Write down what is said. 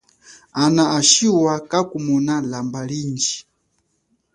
Ana ashiwa kakumona lamba lindji.